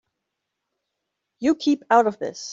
You keep out of this.